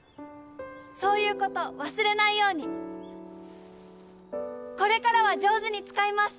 そういうこと忘れないようにこれからは上手に使います。